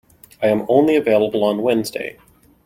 I am only available on Wednesday.